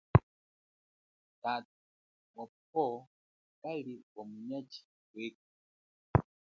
Tatapowo kali wa munyatshi weka.